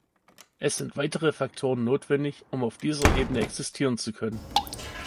Es sind weitere Faktoren notwendig, um auf dieser Ebene existieren zu können.